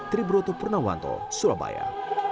triburutu pernawanto surabaya